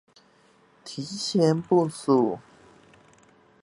提前部署